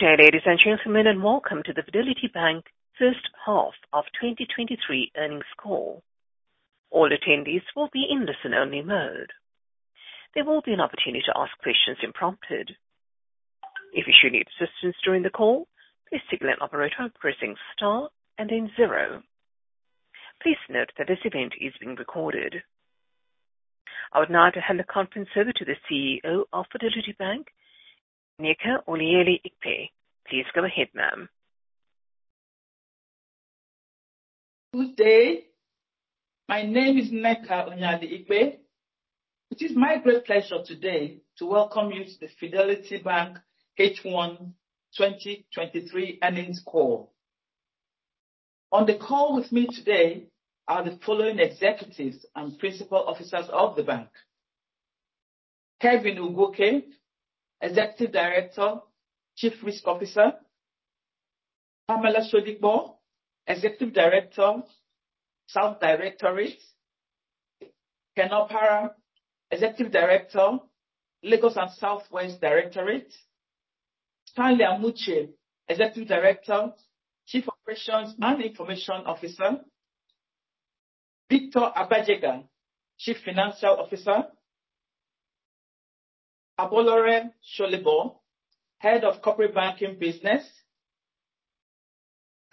Good day, ladies and gentlemen, and welcome to the Fidelity Bank first half of 2023 earnings call. All attendees will be in listen-only mode. There will be an opportunity to ask questions when prompted. If you should need assistance during the call, please signal an operator by pressing star and then zero. Please note that this event is being recorded. I would now like to hand the conference over to the CEO of Fidelity Bank, Nneka Onyeali-Ikpe. Please go ahead, ma'am. Good day. My name is Nneka Onyeali-Ikpe. It is my great pleasure today to welcome you to the Fidelity Bank H1 2023 earnings call. On the call with me today are the following executives and principal officers of the bank: Kevin Ugwuoke, Executive Director, Chief Risk Officer; Pamela Shodipo, Executive Director, South Directorate; Kenneth Opara, Executive Director, Lagos and Southwest Directorate; Stanley Amuchie, Executive Director, Chief Operations and Information Officer; Victor Abejegah, Chief Financial Officer; Abolore Solebo, Head of Corporate Banking Business;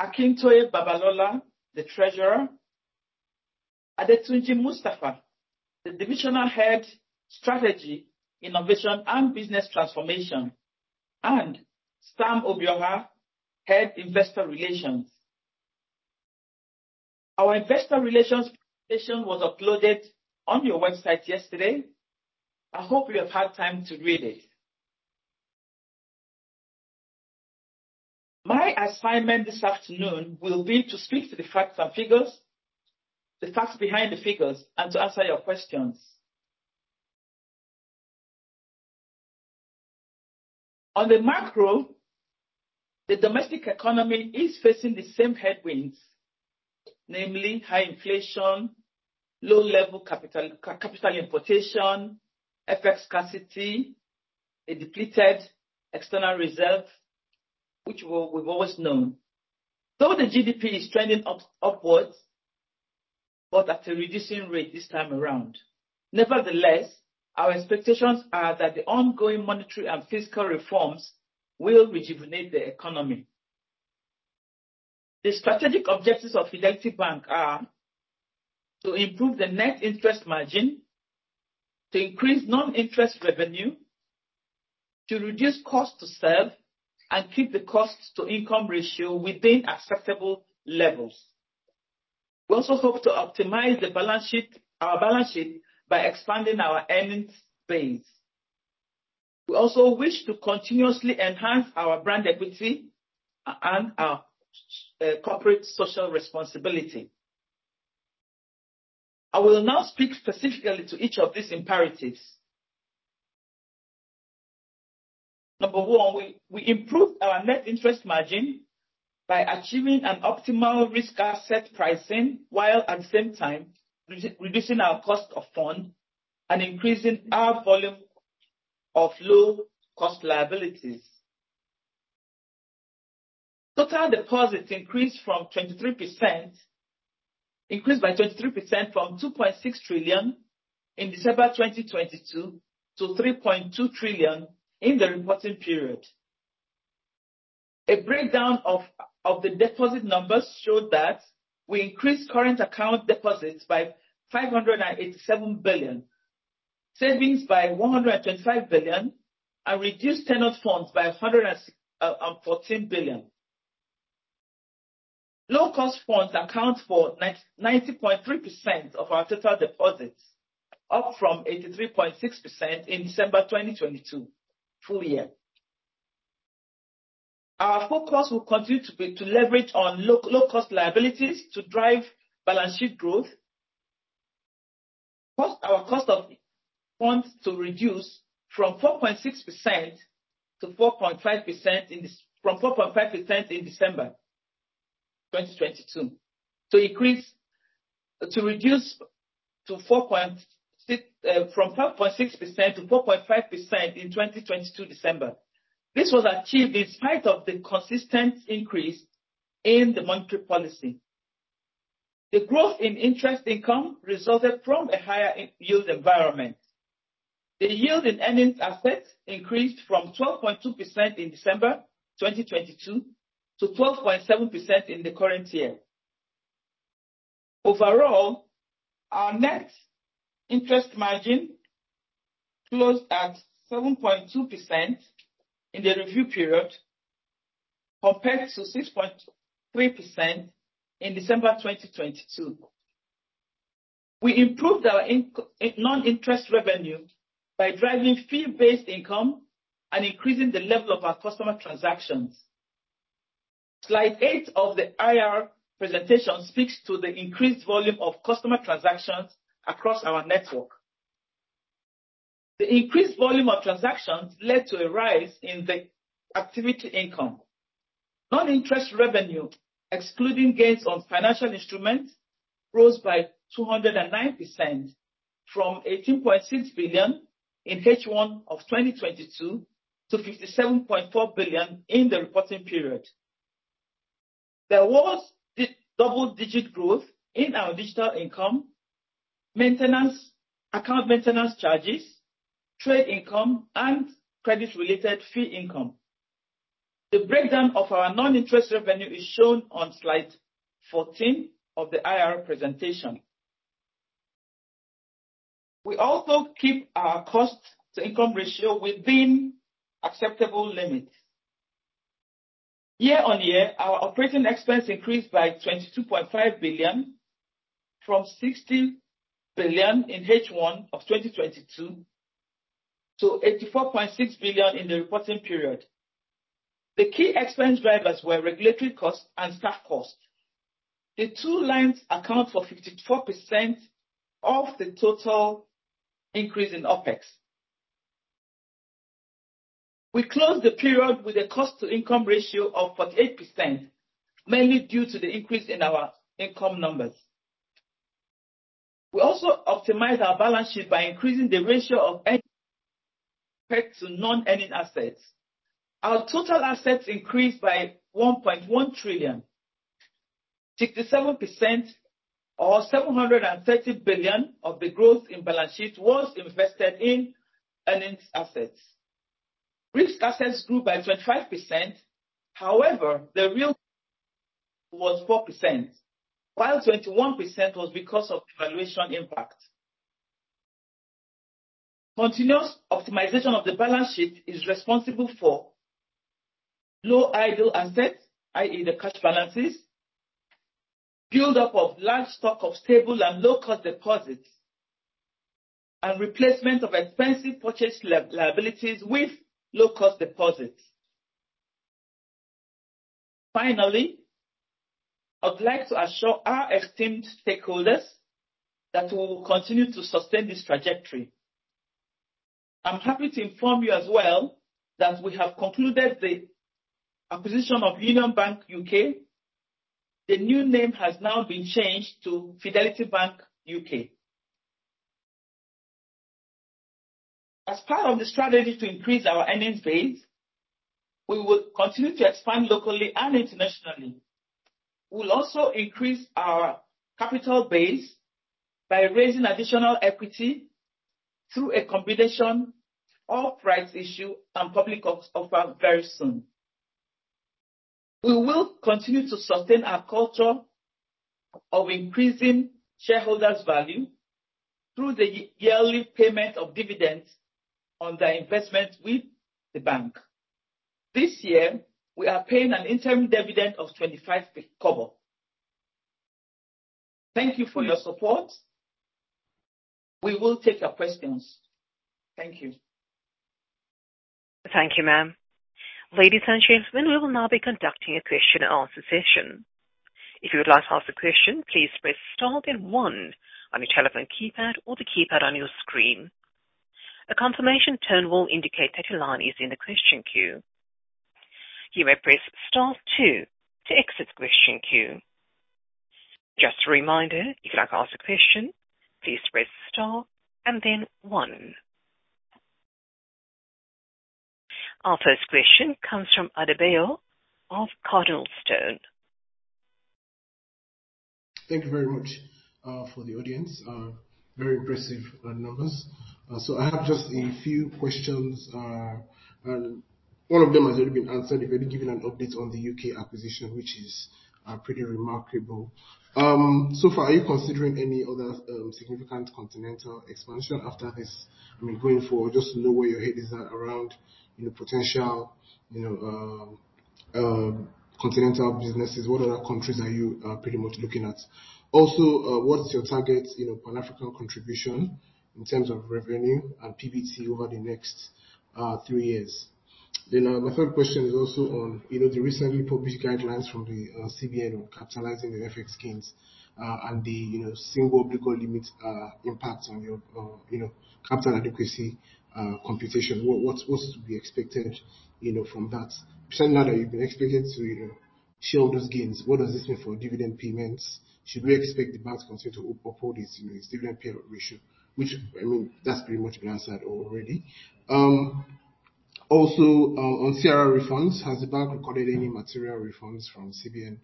Akintoye Babalola, the Treasurer; Adetunji Mustafa, the Divisional Head, Strategy, Innovation, and Business Transformation; and Sam Obioha, Head, Investor Relations. Our investor relations presentation was uploaded on your website yesterday. I hope you have had time to read it. My assignment this afternoon will be to speak to the facts and figures, the facts behind the figures, and to answer your questions. On the macro, the domestic economy is facing the same headwinds, namely high inflation, low level capital, capital importation, FX scarcity, a depleted external reserve, which we've always known. Though the GDP is trending upwards, but at a reducing rate this time around. Nevertheless, our expectations are that the ongoing monetary and fiscal reforms will rejuvenate the economy. The strategic objectives of Fidelity Bank are to improve the net interest margin, to increase non-interest revenue, to reduce cost to serve and keep the costs to income ratio within acceptable levels. We also hope to optimize the balance sheet, our balance sheet, by expanding our earnings base. We also wish to continuously enhance our brand equity and our corporate social responsibility. I will now speak specifically to each of these imperatives. Number one, we improved our net interest margin by achieving an optimal risk asset pricing, while at the same time, reducing our cost of fund and increasing our volume of low-cost liabilities. Total deposits increased from 23%... Increased by 23% from 2,600,000,000,000 in December 2022 to 3,200,000,000,000 in the reporting period. A breakdown of the deposit numbers showed that we increased current account deposits by 587,000,000,000, savings by 125,000,000,000, and reduced tenored funds by 114,000,000,000. Low cost funds account for 90.3% of our total deposits, up from 83.6% in December 2022, full year. Our focus will continue to be to leverage on low-cost liabilities to drive balance sheet growth. Plus, our cost of funds to reduce from 4.6% to 4.5% in this... From 4.5% in December 2022, to reduce to 4.6, from 4.6% to 4.5% in 2022, December. This was achieved in spite of the consistent increase in the monetary policy. The growth in interest income resulted from a higher yield environment. The yield in earnings assets increased from 12.2% in December 2022, to 12.7% in the current year. Overall, our net interest margin closed at 7.2% in the review period, compared to 6.3% in December 2022. We improved our non-interest revenue by driving fee-based income and increasing the level of our customer transactions. Slide 8 of the IR presentation speaks to the increased volume of customer transactions across our network. The increased volume of transactions led to a rise in the activity income. Non-interest revenue, excluding gains on financial instruments, rose by 209% from 18,600,000,000 in H1 of 2022 to 57,400,000,000 in the reporting period. There was double-digit growth in our digital income, maintenance, account maintenance charges, trade income, and credit-related fee income. The breakdown of our non-interest revenue is shown on slide 14 of the IR presentation. We also keep our cost-to-income ratio within acceptable limits. Year-on-year, our operating expense increased by 22,500,000,000 from 16,000,000,000 in H1 of 2022 to 84,600,000,000 in the reporting period. The key expense drivers were regulatory costs and staff costs. The two lines account for 54% of the total increase in OpEx. We closed the period with a cost-to-income ratio of 48%, mainly due to the increase in our income numbers. We also optimized our balance sheet by increasing the ratio of earning to non-earning assets. Our total assets increased by 1,100,000,000,000. 67%, or 730,000,000,000 of the growth in balance sheet was invested in earnings assets. Risk assets grew by 25%. However, the real was 4%, while 21% was because of valuation impact. Continuous optimization of the balance sheet is responsible for low idle assets, i.e., the cash balances, build-up of large stock of stable and low-cost deposits, and replacement of expensive purchased liabilities with low-cost deposits. Finally, I'd like to assure our esteemed stakeholders that we will continue to sustain this trajectory. I'm happy to inform you as well that we have concluded the acquisition of Union Bank UK. The new name has now been changed to Fidelity Bank UK. As part of the strategy to increase our earnings base, we will continue to expand locally and internationally. We'll also increase our capital base by raising additional equity through a combination of rights issue and public offer very soon. We will continue to sustain our culture of increasing shareholders' value through the yearly payment of dividends on their investment with the bank. This year, we are paying an interim dividend of 25 kobo. Thank you for your support. We will take your questions. Thank you. Thank you, ma'am. Ladies and gentlemen, we will now be conducting a question and answer session. If you would like to ask a question, please press star then one on your telephone keypad or the keypad on your screen. A confirmation tone will indicate that your line is in the question queue. You may press star two to exit question queue. Just a reminder, if you'd like to ask a question, please press star and then one. Our first question comes from Adebayo of Cornerstone. Thank you very much for the audience. Very impressive numbers. So I have just a few questions. And one of them has already been answered. You've already given an update on the UK acquisition, which is pretty remarkable. So far, are you considering any other significant continental expansion after this? I mean, going forward, just to know where your head is at around, you know, potential, you know, continental businesses. What other countries are you pretty much looking at? Also, what is your target, you know, pan-African contribution in terms of revenue and PBT over the next three years? Then, my third question is also on, you know, the recently published guidelines from the, CBN on capitalizing the FX gains, and the, you know, single obligor limit, impact on your, you know, capital adequacy, computation. What's to be expected, you know, from that? Certainly now that you've been expected to, you know, share those gains, what does this mean for dividend payments? Should we expect the bank to consider to uphold its, you know, its dividend payout ratio? Which, I mean, that's pretty much been answered already. Also, on CRR refunds, has the bank recorded any material refunds from CBN?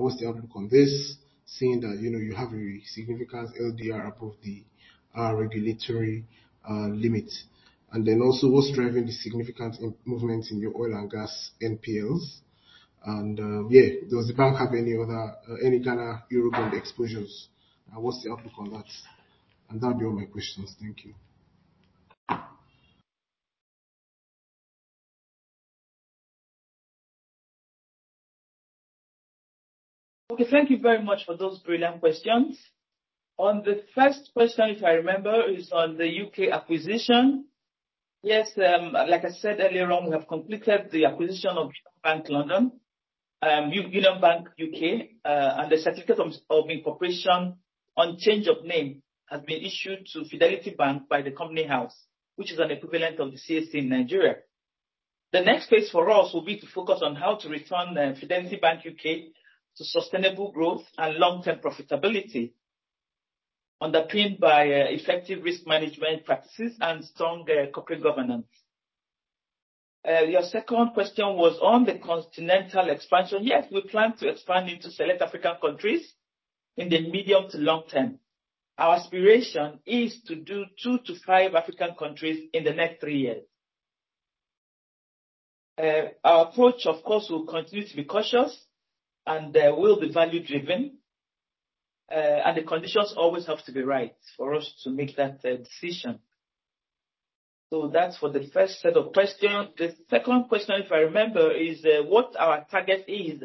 What's the outlook on this, seeing that, you know, you have a significant LDR above the, regulatory, limits? And then also, what's driving the significant, movement in your oil and gas NPLs? Yeah, does the bank have any other Ghana Eurobond exposures, and what's the outlook on that? That'd be all my questions. Thank you. Okay. Thank you very much for those brilliant questions. On the first question, if I remember, is on the U.K. acquisition. Yes, like I said earlier on, we have completed the acquisition of Union Bank London, Union Bank U.K., and the certificate of incorporation on change of name has been issued to Fidelity Bank by the Companies House, which is an equivalent of the CAC in Nigeria. The next phase for us will be to focus on how to return Fidelity Bank U.K. to sustainable growth and long-term profitability, underpinned by effective risk management practices and strong corporate governance. Your second question was on the continental expansion. Yes, we plan to expand into select African countries in the medium to long term. Our aspiration is to do 2-5 African countries in the next 3 years. Our approach, of course, will continue to be cautious, and we'll be value driven, and the conditions always have to be right for us to make that decision. So that's for the first set of questions. The second question, if I remember, is what our target is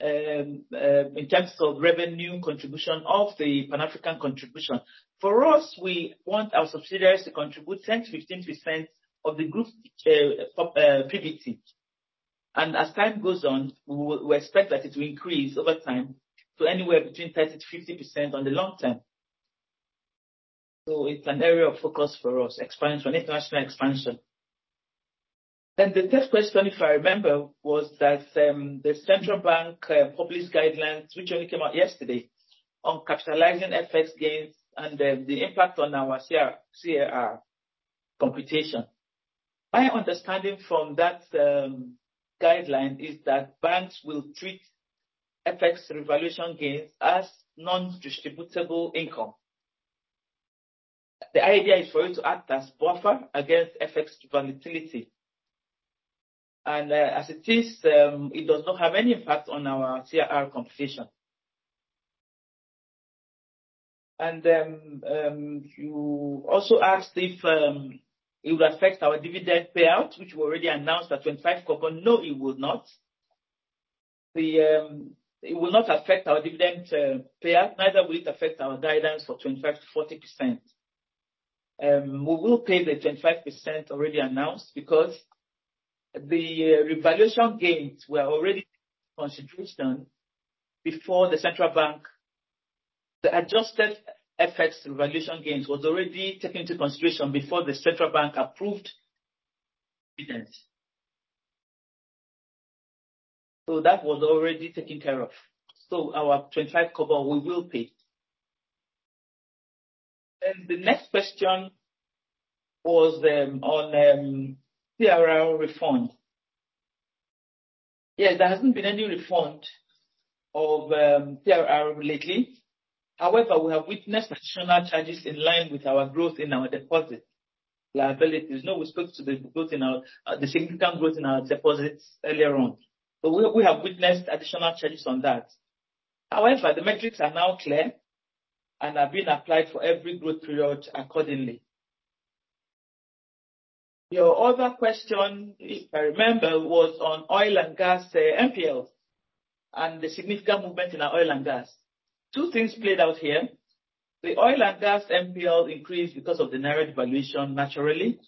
in terms of revenue contribution of the Pan-African contribution. For us, we want our subsidiaries to contribute 10%-15% of the group PBT. And as time goes on, we expect that it will increase over time to anywhere between 30%-50% on the long term. So it's an area of focus for us, expansion, international expansion. Then the third question, if I remember, was that the Central Bank published guidelines, which only came out yesterday, on capitalizing FX gains and the impact on our CAR computation. My understanding from that guideline is that banks will treat FX revaluation gains as non-distributable income. The idea is for it to act as buffer against FX volatility, and as it is, it does not have any impact on our CAR computation. And then you also asked if it would affect our dividend payout, which we already announced at 25 kobo. No, it would not. It will not affect our dividend payout, neither will it affect our guidance for 25%-40%. We will pay the 25% already announced because the revaluation gains were already consideration before the Central Bank. The adjusted FX Revaluation Gains was already taken into consideration before the central bank approved dividends. So that was already taken care of. So our 25 kobo, we will pay. Then the next question was on CRR reform. Yeah, there hasn't been any reform of CRR lately. However, we have witnessed additional charges in line with our growth in our deposit liabilities. No, we spoke to the growth in our, the significant growth in our deposits earlier on, but we have witnessed additional charges on that. However, the metrics are now clear and are being applied for every growth period accordingly. Your other question, if I remember, was on oil and gas NPL and the significant movement in our oil and gas. Two things played out here. The oil and gas NPL increased because of the Naira devaluation naturally.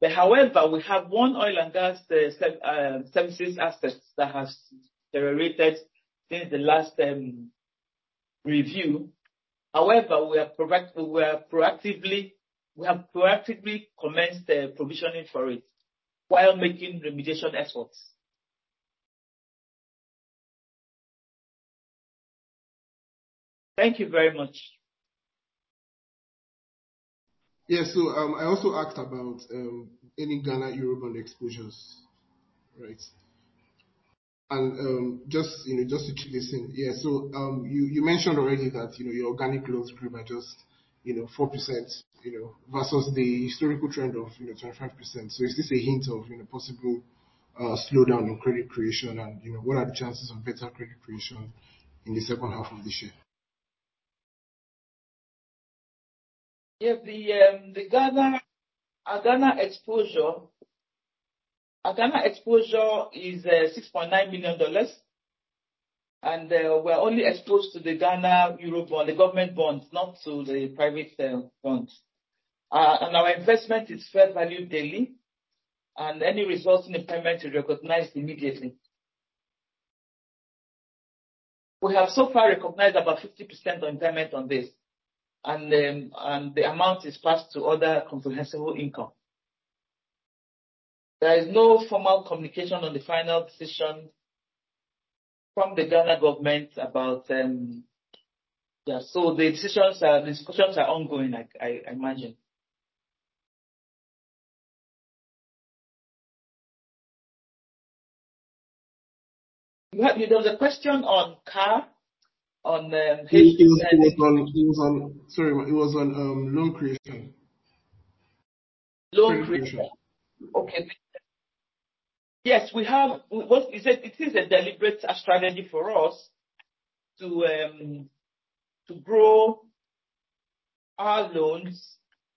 But however, we have one oil and gas services assets that has deteriorated since the last review. However, we are proactively... We have proactively commenced the provisioning for it while making remediation efforts. Thank you very much. Yeah. So, I also asked about any Ghana Eurobond exposures, right? And, just, you know, just to check this thing. Yeah. So, you mentioned already that, you know, your organic loans grew by just, you know, 4%, you know, versus the historical trend of, you know, 25%. So is this a hint of, you know, possible slowdown in credit creation? And, you know, what are the chances of better credit creation in the second half of this year? Yeah. The Ghana, our Ghana exposure, our Ghana exposure is $6,900,000, and we're only exposed to the Ghana Eurobond, the government bonds, not to the private bonds. And our investment is fair value daily, and any resulting impairment is recognized immediately. We have so far recognized about 50% on impairment on this, and the amount is passed to other comprehensive income. There is no formal communication on the final decision from the Ghana government about... Yeah, so the decisions are, the discussions are ongoing, I imagine. We have- There was a question on CAR, on H2- It was on. Sorry about that, it was on loan creation. Loan creation. Loan creation. Okay. Yes, we have. It is a deliberate strategy for us to grow our loans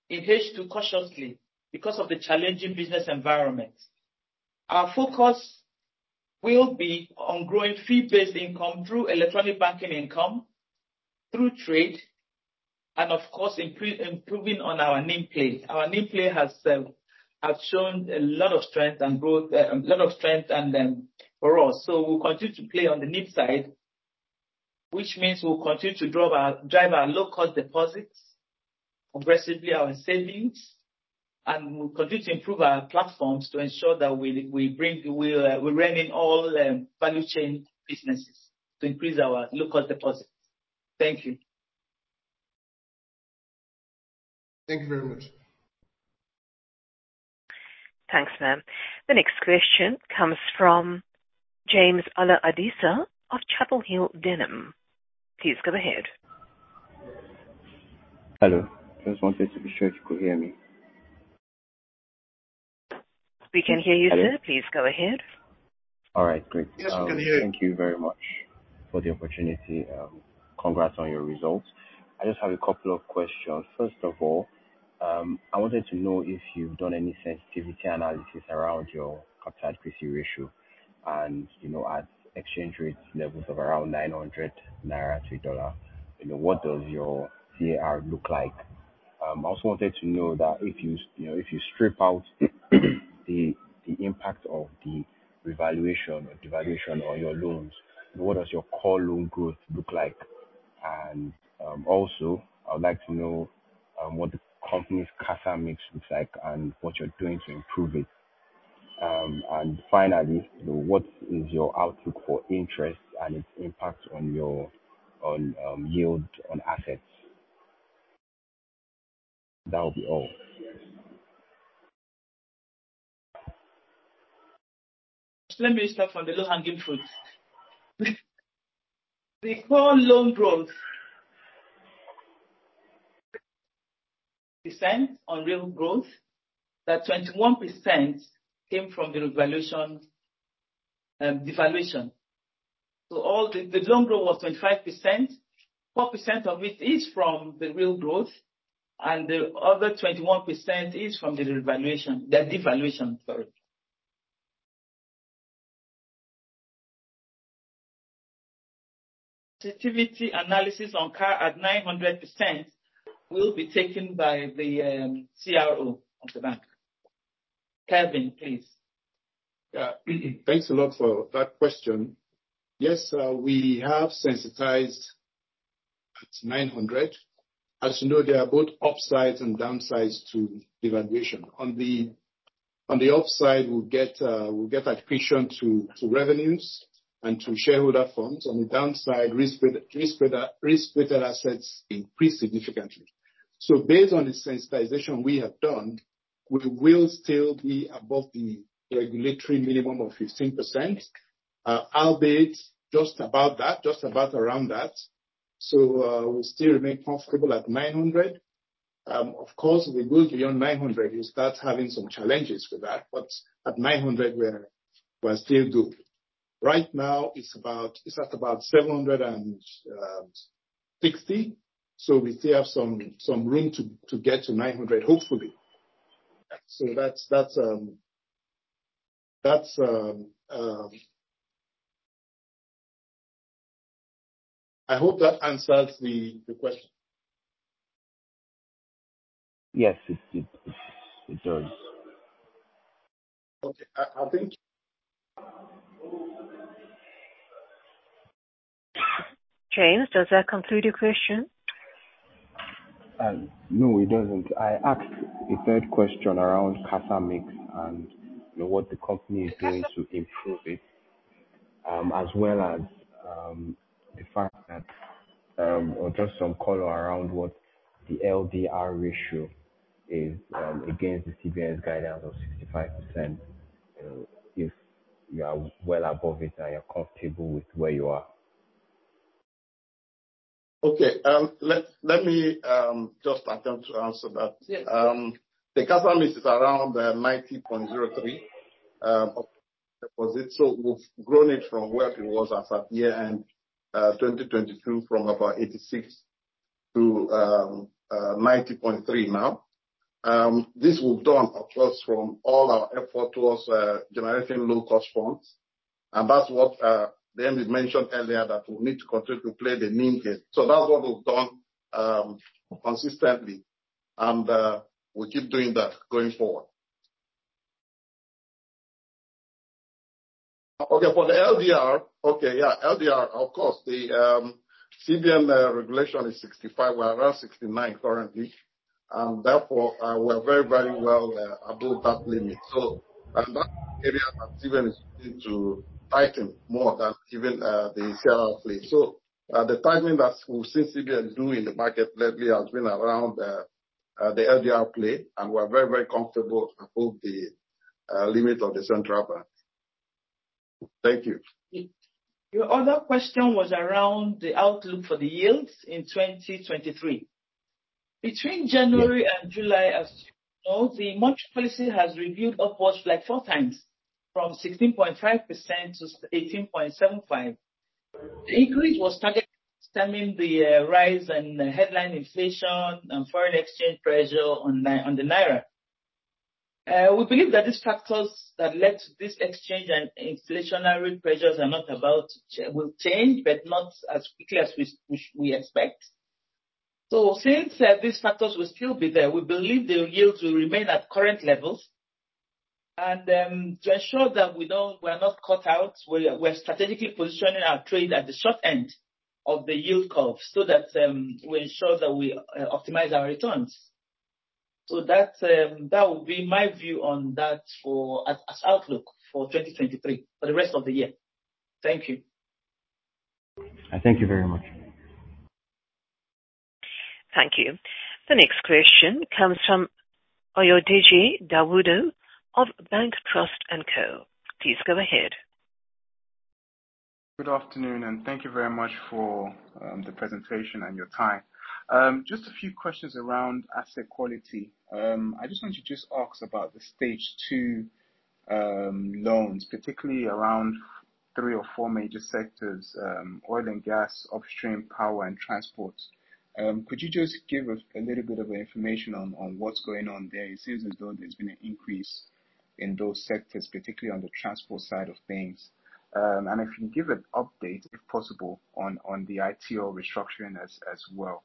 in H2 cautiously because of the challenging business environment. Our focus will be on growing fee-based income through electronic banking income, through. And of course, improving on our NIM play. Our NIM play has shown a lot of strength and growth for us. So we'll continue to play on the NIM side, which means we'll continue to drive our low-cost deposits aggressively, our savings, and we'll continue to improve our platforms to ensure that we bring in all value chain businesses to increase our low-cost deposits. Thank you. Thank you very much. Thanks, ma'am. The next question comes from James Ola Adisa of Chapel Hill Denham. Please go ahead. Hello. Just wanted to be sure if you could hear me? We can hear you, sir. Hello. Please go ahead. All right, great. Yes, we can hear you. Thank you very much for the opportunity. Congrats on your results. I just have a couple of questions. First of all, I wanted to know if you've done any sensitivity analysis around your capital adequacy ratio, and, you know, at exchange rate levels of around 900 naira to dollar, you know, what does your CAR look like? I also wanted to know that if you, you know, if you strip out the, the impact of the revaluation or devaluation on your loans, what does your core loan growth look like? And, also, I would like to know what the company's CASA mix looks like and what you're doing to improve it. And finally, you know, what is your outlook for interest and its impact on your yield on assets? That will be all. Let me start from the low-hanging fruit. The core loan growth percent on real growth, that 21% came from the revaluation, devaluation. So all the loan growth was 25%, 4% of it is from the real growth, and the other 21% is from the revaluation, the devaluation, sorry. Sensitivity analysis on CAR at 900% will be taken by the CRO of the bank. Kevin, please. Yeah. Thanks a lot for that question. Yes, we have sensitized at 900. As you know, there are both upsides and downsides to devaluation. On the upside, we'll get accretion to revenues and to shareholder funds. On the downside, risk-weighted assets increase significantly. So based on the sensitization we have done, we will still be above the regulatory minimum of 15%, albeit just about that, just about around that. So, we still remain comfortable at 900. Of course, if we go beyond 900, we start having some challenges with that, but at 900 we're still good. Right now, it's at about 760, so we still have some room to get to 900, hopefully. So that's... I hope that answers the question. Yes, it does. Okay. Thank you. James, does that conclude your question? No, it doesn't. I asked a third question around CASA mix and, you know, what the company is doing to improve it, as well as, the fact that, or just some color around what the LDR ratio is, against the CBN's guidance of 65%, you know, if you are well above it and you're comfortable with where you are. Okay. Let me just attempt to answer that. Yes. The CASA mix is around 90.03% of deposit. So we've grown it from where it was as at year-end 2022, from about 86% to 90.3% now. This was done across from all our effort towards generating low-cost funds. And that's what the MD mentioned earlier, that we need to continue to play the NIM game. So that's what we've done consistently, and we'll keep doing that going forward. Okay, for the LDR. Okay, yeah, LDR, of course, the CBN regulation is 65%. We're around 69% currently, and therefore we are very, very well above that limit. So, and that area has even to tighten more than even the CLR play. The tightening that we've seen CBN do in the market lately has been around the LDR play, and we're very, very comfortable above the limit of the Central Bank. Thank you. Your other question was around the outlook for the yields in 2023. Yes. Between January and July, as you know, the MPR policy has reviewed upwards like four times, from 16.5% to 18.75%. The increase was targeted stemming the rise in the headline inflation and foreign exchange pressure on the naira. We believe that these factors that led to this exchange and inflationary pressures will change, but not as quickly as we expect. So since these factors will still be there, we believe the yields will remain at current levels. And to ensure that we are not caught out, we're strategically positioning our trade at the short end of the yield curve, so that we ensure that we optimize our returns. That would be my view on that for the outlook for 2023, for the rest of the year. Thank you. I thank you very much. Thank you. The next question comes from Oyodeji Dawodu of BancTrust & Co. Please go ahead. Good afternoon, and thank you very much for the presentation and your time. Just a few questions around asset quality. I just want to just ask about the Stage Two loans, particularly around three or four major sectors, oil and gas, upstream power, and transport. Could you just give a little bit of information on what's going on there? It seems as though there's been an increase in those sectors, particularly on the transport side of things. And if you can give an update, if possible, on the Aiteo restructuring as well.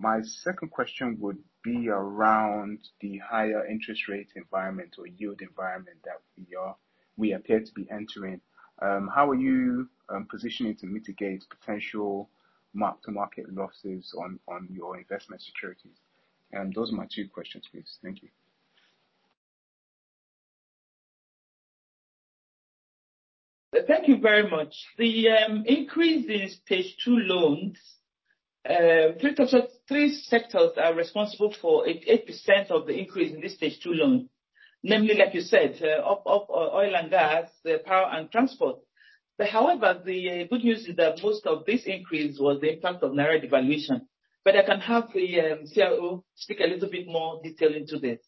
My second question would be around the higher interest rate environment or yield environment that we are, we appear to be entering. How are you positioning to mitigate potential mark-to-market losses on your investment securities? And those are my two questions, please. Thank you. Thank you very much. The increase in stage two loans, three quarters... Three sectors are responsible for 8% of the increase in this stage two loan. Namely, like you said, oil and gas, the power and transport. But however, the good news is that most of this increase was the impact of Naira devaluation. But I can have the CIO speak a little bit more detail into this.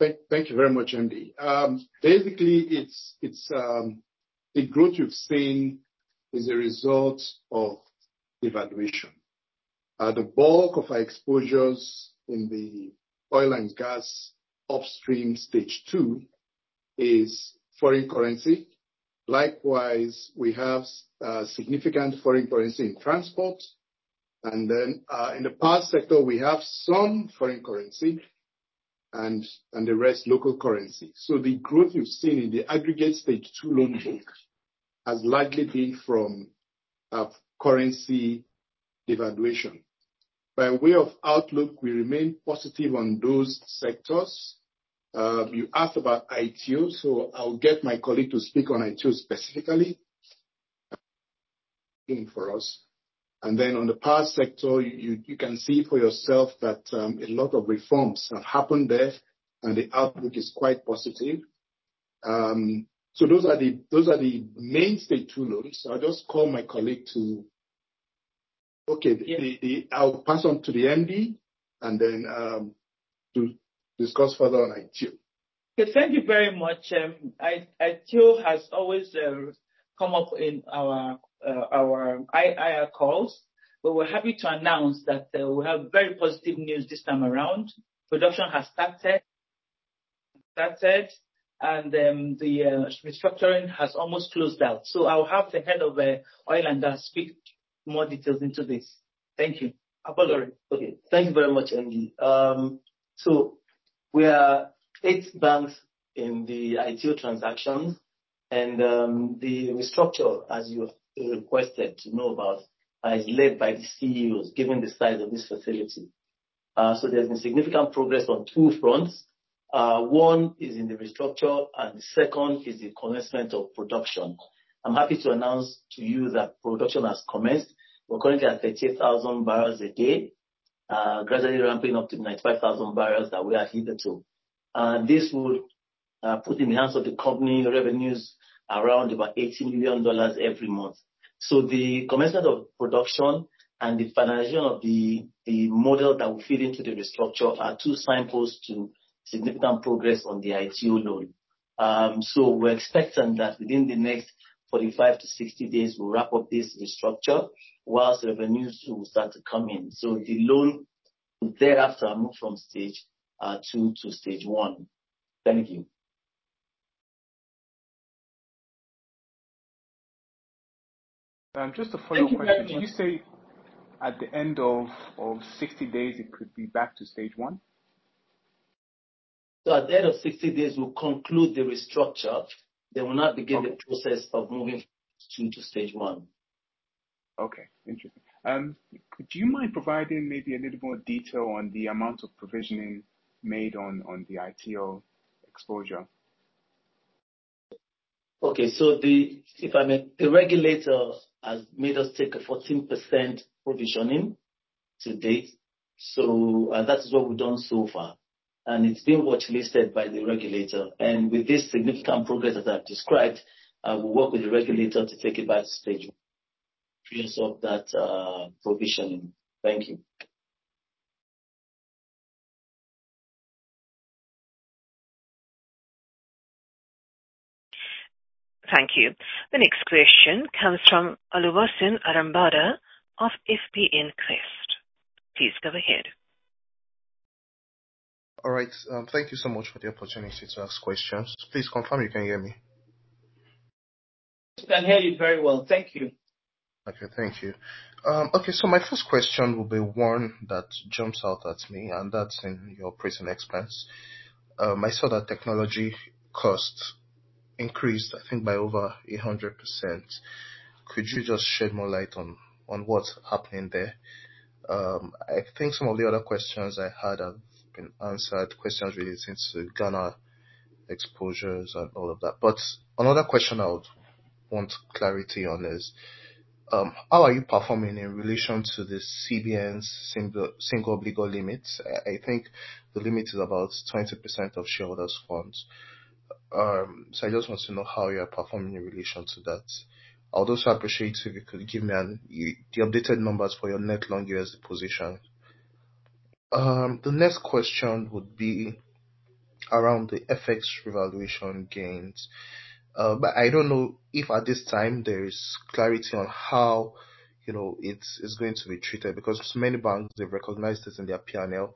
Thank you very much, MD. Basically, it's the growth you've seen is a result of devaluation. The bulk of our exposures in the oil and gas upstream Stage Two is foreign currency. Likewise, we have significant foreign currency in transport, and then in the power sector, we have some foreign currency, and the rest, local currency. So the growth you've seen in the aggregate Stage Two loan book has likely been from currency devaluation. By way of outlook, we remain positive on those sectors. You asked about Aiteo, so I'll get my colleague to speak on Aiteo specifically, for us. And then on the power sector, you can see for yourself that a lot of reforms have happened there, and the output is quite positive. So those are the main Stage Two loans. I'll just call my colleague to... Okay. I'll pass on to the MD, and then, to discuss further on Aiteo. Thank you very much. Aiteo has always come up in our IR calls, but we're happy to announce that we have very positive news this time around. Production has started, and the restructuring has almost closed out. So I'll have the head of oil and gas speak more details into this. Thank you. Okay. Thank you very much, MD. So we are 8 banks in the Aiteo transaction, and the restructure, as you have requested to know about, is led by the CEOs, given the size of this facility. So there's been significant progress on two fronts. One is in the restructure, and the second is the commencement of production. I'm happy to announce to you that production has commenced. We're currently at 38,000 barrels a day, gradually ramping up to 95,000 barrels that we are heated to. And this would put in the hands of the company revenues around $80,000,000 every month. So the commencement of production and the finalization of the model that will fit into the restructure are two signposts to significant progress on the Aiteo loan. So we're expecting that within the next 45-60 days, we'll wrap up this restructure, while revenues will start to come in. So the loan will thereafter move from Stage Two to Stage One. Thank you. Just a follow-up question. Thank you very much. Did you say at the end of 60 days, it could be back to Stage One? So at the end of 60 days, we'll conclude the restructure, then we'll now begin the process of moving to Stage One. Okay. Interesting. Do you mind providing maybe a little more detail on the amount of provisioning made on the Aiteo exposure? Okay. So if I may, the regulator has made us take a 14% provisioning to date, so that is what we've done so far, and it's been watchlisted by the regulator. And with this significant progress that I've described, we'll work with the regulator to take it back to stage three of that provisioning. Thank you. ... Thank you. The next question comes from Oluwaseun Arambada of FBNQuest. Please go ahead. All right. Thank you so much for the opportunity to ask questions. Please confirm if you can hear me? We can hear you very well. Thank you. Okay. Thank you. Okay, so my first question will be one that jumps out at me, and that's in your pricing expense. I saw that technology costs increased, I think, by over 100%. Could you just shed more light on what's happening there? I think some of the other questions I had have been answered, questions relating to Ghana exposures and all of that. But another question I would want clarity on is how are you performing in relation to the CBN's single obligor limits? I think the limit is about 20% of shareholders' funds. So I just want to know how you are performing in relation to that. I would also appreciate if you could give me the updated numbers for your net long USD position. The next question would be around the FX revaluation gains. But I don't know if at this time there is clarity on how, you know, it's going to be treated, because many banks, they've recognized this in their PNL.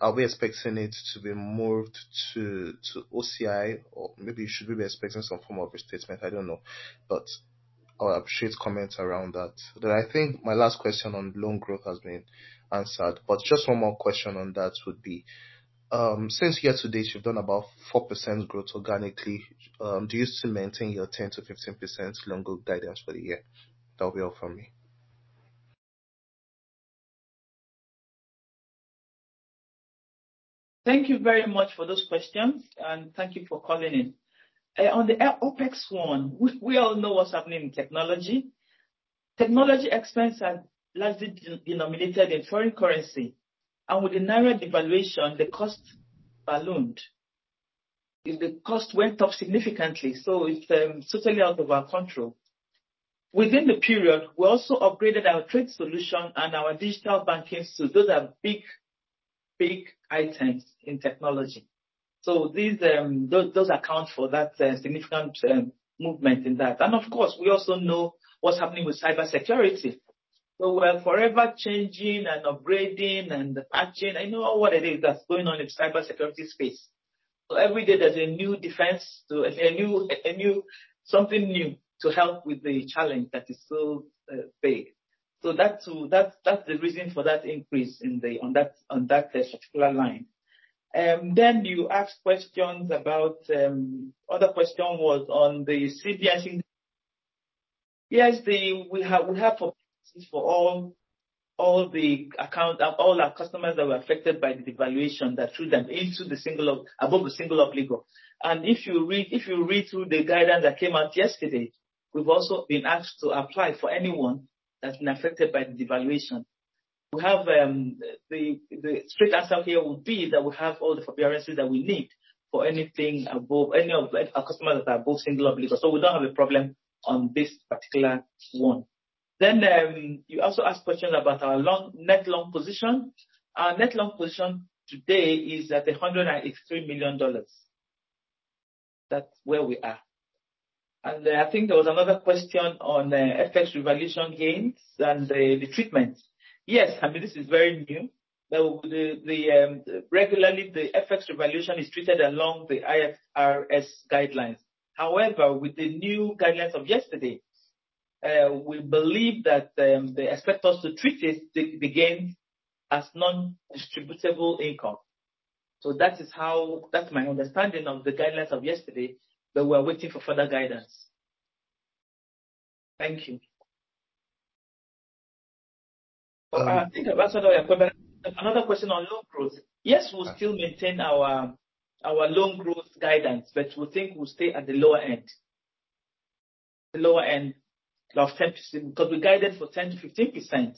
Are we expecting it to be moved to OCI, or maybe should we be expecting some form of restatement? I don't know, but I would appreciate comments around that. But I think my last question on loan growth has been answered. But just one more question on that would be, since year to date, you've done about 4% growth organically, do you still maintain your 10%-15% loan growth guidance for the year? That will be all from me. Thank you very much for those questions, and thank you for calling in. On the, OpEx one, we all know what's happening in technology. Technology expense are largely denominated in foreign currency, and with the naira devaluation, the cost ballooned. The cost went up significantly, so it's totally out of our control. Within the period, we also upgraded our trade solution and our digital banking suite. Those are big, big items in technology. So these, those account for that significant movement in that. Of course, we also know what's happening with cybersecurity. So we're forever changing and upgrading and patching. I know what it is that's going on in the cybersecurity space. So every day there's a new defense to... A new, a new, something new to help with the challenge that is so big. So that's the reason for that increase on that particular line. Then you asked questions about... The other question was on the CBN thing. Yes, we have opportunities for all the accounts and all our customers that were affected by the devaluation that threw them above the single obligor. And if you read through the guidance that came out yesterday, we've also been asked to apply for anyone that's been affected by the devaluation. The straight answer here would be that we have all the affordability that we need for any of our customers that are above single obligor. So we don't have a problem on this particular one. Then you also asked a question about our net long position. Our net long position today is at $163,000,000. That's where we are. And I think there was another question on, FX revaluation gains and the, the treatment. Yes, I mean, this is very new. The regularly, the FX revaluation is treated along the IFRS guidelines. However, with the new guidelines of yesterday, we believe that, they expect us to treat it, the gain, as non-distributable income. So that is how... That's my understanding of the guidelines of yesterday, but we are waiting for further guidance. Thank you. I think I've answered all your questions. Another question on loan growth. Yes, we'll still maintain our loan growth guidance, but we think we'll stay at the lower end. Lower end of 10%, because we guided for 10%-15%.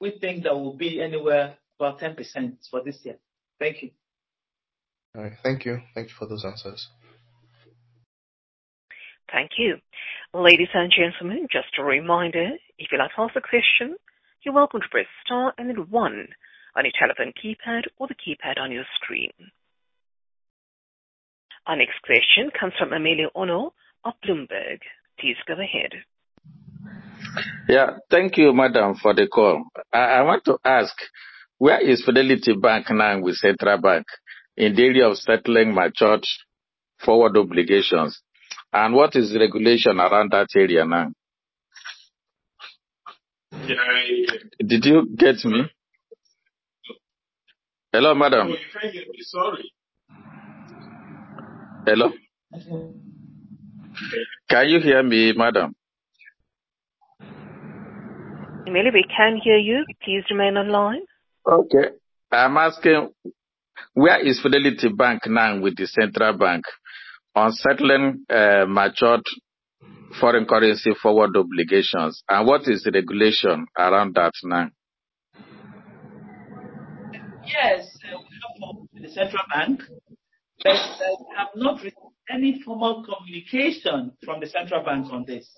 We think that we'll be anywhere about 10% for this year. Thank you. All right. Thank you. Thank you for those answers. Thank you. Ladies and gentlemen, just a reminder, if you'd like to ask a question, you're welcome to press star and then one on your telephone keypad or the keypad on your screen. Our next question comes from Emele Onu of Bloomberg. Please go ahead. Yeah. Thank you, madam, for the call. I want to ask, where is Fidelity Bank now with Central Bank in the area of settling matured forward obligations? And what is the regulation around that area now? Yeah, I- Did you get me? Hello, madam.... Sorry. Hello? Can you hear me, madam? Emilio, we can hear you. Please remain online. Okay. I'm asking, where is Fidelity Bank now with the Central Bank on settling matured foreign currency forward obligations, and what is the regulation around that now? Yes, we are with the Central Bank, but we have not received any formal communication from the Central Bank on this.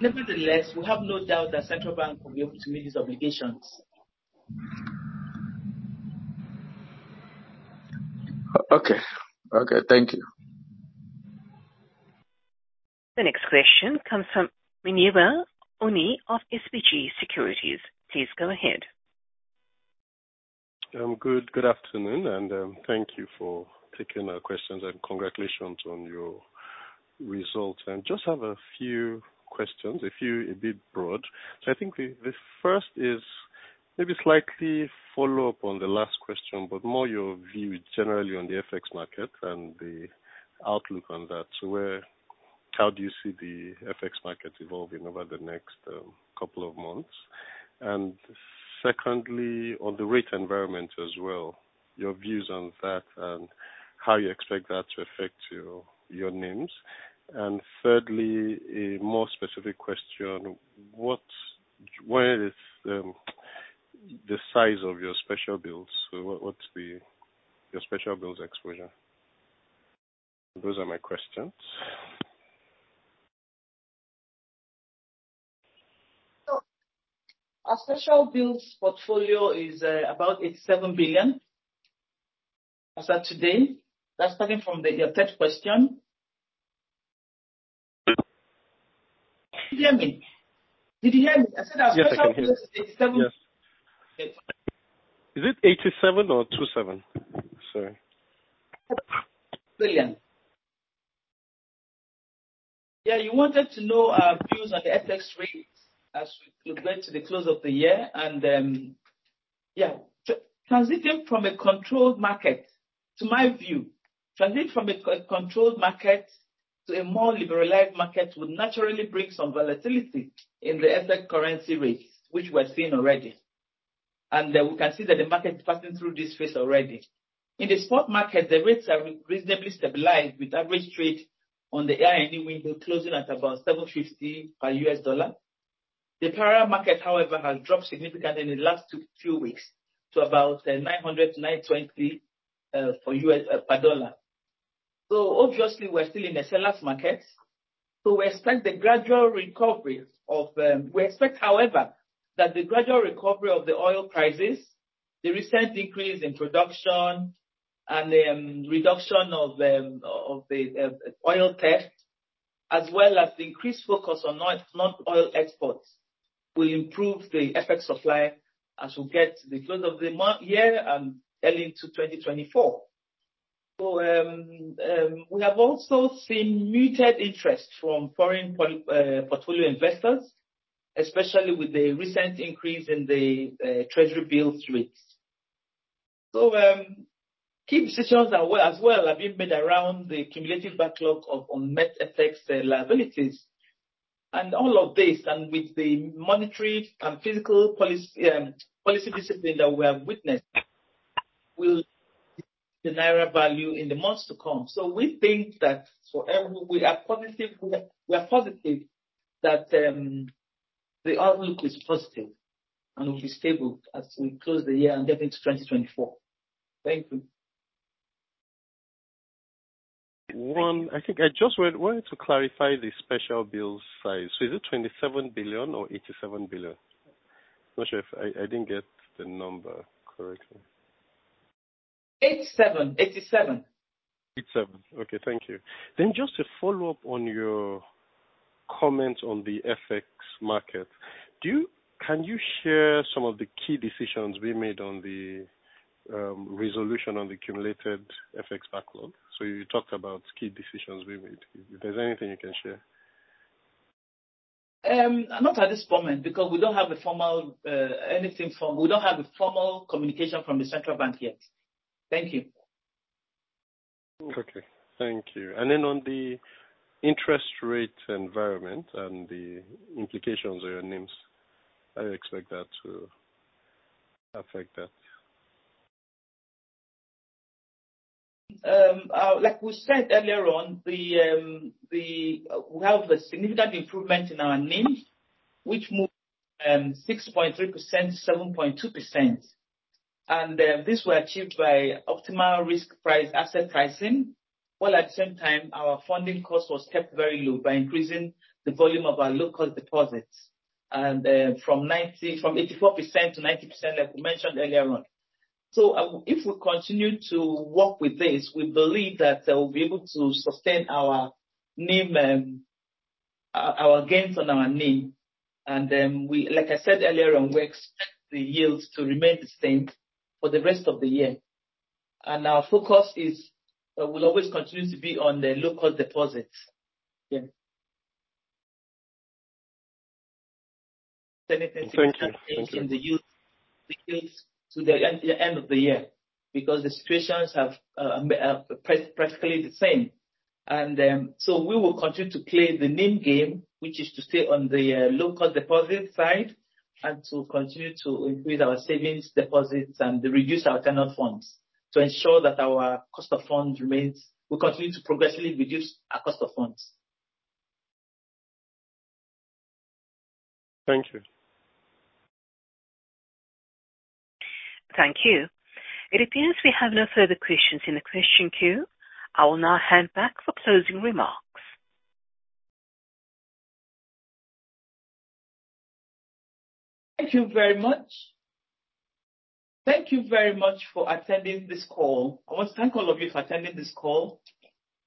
Nevertheless, we have no doubt that Central Bank will be able to meet its obligations.... Okay. Okay, thank you. The next question comes from Muyiwa Oni of SBG Securities. Please go ahead. Good afternoon, and thank you for taking our questions, and congratulations on your results. I just have a few questions, a few a bit broad. So I think the first is maybe slightly follow-up on the last question, but more your view generally on the FX market and the outlook on that. So, where, how do you see the FX market evolving over the next couple of months? And secondly, on the rate environment as well, your views on that and how you expect that to affect your NIMs. And thirdly, a more specific question, what's the size of your special bills? So, what's your special bills exposure? Those are my questions. So our special bills portfolio is about 87,000,000,000 as at today. That's starting from the, your third question. Did you hear me? Did you hear me? Yes, I can hear you. I said our special bills is NGN 87,000,000,000. Yes. Is it 87 or 27? Sorry. Billion. Yeah, you wanted to know our views on the FX rates as we go to the close of the year, and, yeah. Transitioning from a controlled market, to my view, transitioning from a controlled market to a more liberalized market would naturally bring some volatility in the FX currency rates, which we're seeing already. And, we can see that the market is passing through this phase already. In the spot market, the rates have reasonably stabilized, with average trade on the I&E window closing at about 750 per US dollar. The parallel market, however, has dropped significantly in the last few weeks to about 900-920 per US dollar. So obviously we're still in a seller's market, so we expect the gradual recovery of... We expect, however, that the gradual recovery of the oil prices, the recent increase in production, and the reduction of the oil theft, as well as the increased focus on non-oil exports, will improve the FX supply as we get to the close of the year and early into 2024. So, we have also seen muted interest from foreign portfolio investors, especially with the recent increase in the treasury bill rates. So, key decisions, as well, have been made around the cumulative backlog of unmet FX liabilities. And all of this, and with the monetary and fiscal policy discipline that we have witnessed, will generate value in the months to come. We think that we are positive that the outlook is positive and will be stable as we close the year and get into 2024. Thank you. One, I think I just wanted to clarify the special bills size. So is it 27,000,000,000 or 87,000,000,000? I'm not sure if I didn't get the number correctly. Eighty-seven. Eighty-seven. 87. Okay, thank you. Then just to follow up on your comment on the FX market, do you... Can you share some of the key decisions we made on the resolution on the accumulated FX backlog? So you talked about key decisions we made. If there's anything you can share. Not at this moment, because we don't have a formal communication from the central bank yet. Thank you. Okay. Thank you. And then on the interest rate environment and the implications on your NIMs, how do you expect that to affect that? Like we said earlier on, the we have a significant improvement in our NIM, which moved six point three percent to seven point two percent. And this was achieved by optimal risk price, asset pricing, while at the same time our funding cost was kept very low by increasing the volume of our local deposits. And from ninety, from eighty-four percent to ninety percent, like we mentioned earlier on. So if we continue to work with this, we believe that we'll be able to sustain our NIM, our gains on our NIM. And like I said earlier on, we expect the yields to remain the same for the rest of the year. And our focus is, will always continue to be on the local deposits. Yeah. Thank you. In the yields, the yields to the end, the end of the year, because the situations have practically the same. So we will continue to play the NIM game, which is to stay on the local deposit side, and to continue to increase our savings deposits and reduce our tenant funds, to ensure that our cost of funds remains... We continue to progressively reduce our cost of funds. Thank you. Thank you. It appears we have no further questions in the question queue. I will now hand back for closing remarks. Thank you very much. Thank you very much for attending this call. I want to thank all of you for attending this call.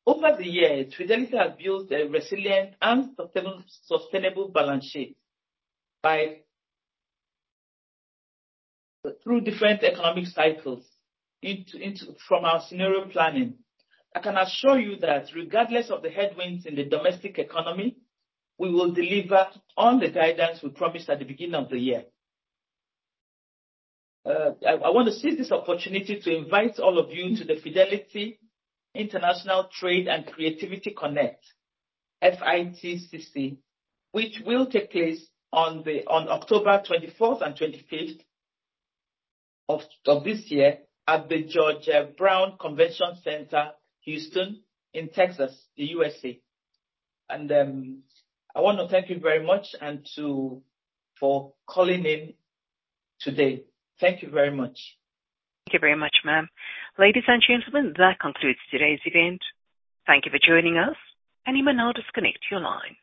Over the years, Fidelity has built a resilient and sustainable, sustainable balance sheet through different economic cycles from our scenario planning. I can assure you that regardless of the headwinds in the domestic economy, we will deliver on the guidance we promised at the beginning of the year. I want to seize this opportunity to invite all of you to the Fidelity International Trade and Creative Connect, FITCC, which will take place on October twenty-fourth and twenty-fifth of this year at the George R. Brown Convention Center, Houston, in Texas, the USA. I want to thank you very much for calling in today. Thank you very much. Thank you very much, ma'am. Ladies and gentlemen, that concludes today's event. Thank you for joining us, and you may now disconnect your line.